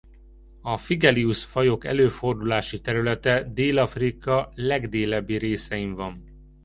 A Phygelius-fajok előfordulási területe Dél-Afrika legdélebbi részein van.